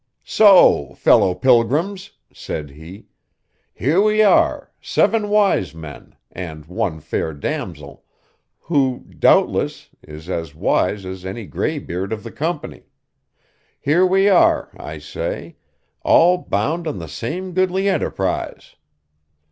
'So, fellow pilgrims,' said he, 'here we are, seven wise men, and one fair damsel who, doubtless, is as wise as any graybeard of the company: here we are, I say, all bound on the same goodly enterprise.